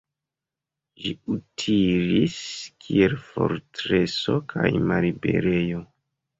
Ĝi utilis kiel fortreso kaj malliberejo.